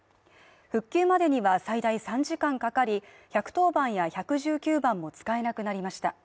復旧までには最大３時間かかり、１１０番や１１９番も使えなくなりました。